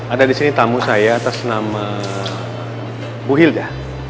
ada disini tamu saya atas nama bu hilda